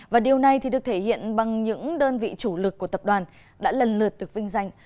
và điều này được thể hiện bằng những đơn vị chủ lực của tập đoàn đã lần lượt được vinh danh